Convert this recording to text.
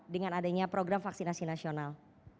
dengan adanya program vaksinasi nasional